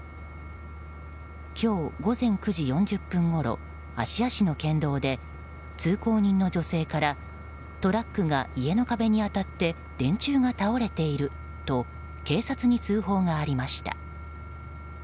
今日午前９時４０分ごろ芦屋市の県道で通行人の女性からトラックが家の壁に当たって電柱が倒れていると警察に通報がありました。